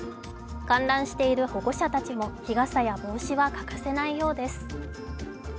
観覧している保護者たちも日傘や帽子は欠かせないようです。